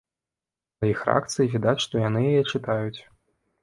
Па іх рэакцыі відаць, што яны яе чытаюць.